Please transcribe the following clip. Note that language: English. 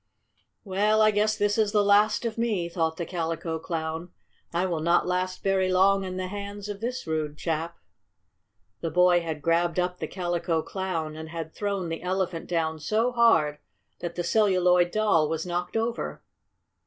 "Well, I guess this is the last of me!" thought the Calico Clown. "I will not last very long in the hands of this rude chap." The boy had grabbed up the Calico Clown and had thrown the Elephant down so hard that the Celluloid Doll was knocked over.